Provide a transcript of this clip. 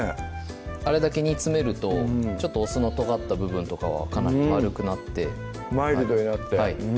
あれだけ煮詰めるとお酢のとがった部分とかはかなり丸くなってマイルドになってはい